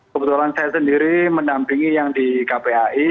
kebetulan saya sendiri menampingi yang di kpai